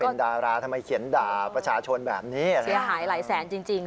เป็นดาราทำไมเขียนด่าประชาชนแบบนี้เสียหายหลายแสนจริงจริง